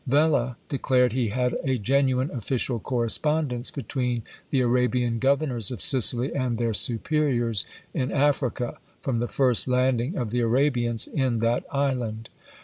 Vella declared he had a genuine official correspondence between the Arabian governors of Sicily and their superiors in Africa, from the first landing of the Arabians in that island.